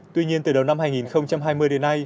tuy nhiên từ đầu năm hai nghìn hai mươi